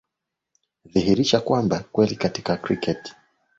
dhihirisha kwamba kweli katika cricket